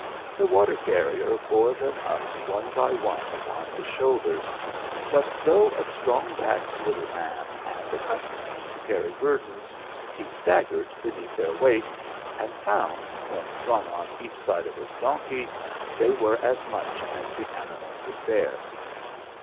The water carrier THE MOORS LEGACY. 170 bore them up one by one upon his shoulders, but though a strong backed little man, and accustomed to carry burdens, he staggered beneath their weight, and fouiid, when slung on each side of his donkey, they were as much as the animal could bear.